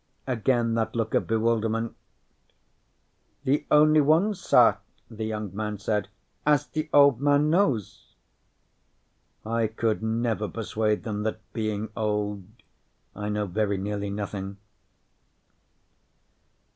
Again that look of bewilderment. "The only ones, sa," the young man said. "As the Old Man knows." _I could never persuade them that, being old, I know very nearly nothing.